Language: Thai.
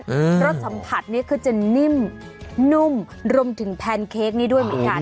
รสสัมผัสนี้คือจะนิ่มนุ่มรวมถึงแพนเค้กนี้ด้วยเหมือนกัน